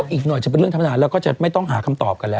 อีกหน่อยจะเป็นเรื่องธรรมดาแล้วก็จะไม่ต้องหาคำตอบกันแล้ว